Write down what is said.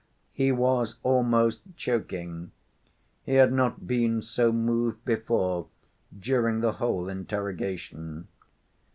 He was almost choking. He had not been so moved before during the whole interrogation.